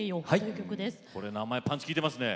これ名前パンチきいてますね。